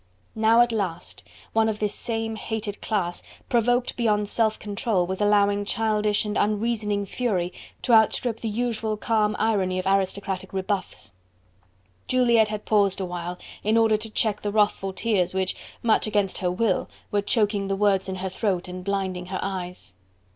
Now at last, one of this same hated class, provoked beyond self control, was allowing childish and unreasoning fury to outstrip the usual calm irony of aristocratic rebuffs. Juliette had paused awhile, in order to check the wrathful tears which, much against her will, were choking the words in her throat and blinding her eyes.